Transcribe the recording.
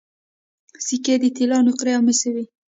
سکې د طلا نقرې او مسو وې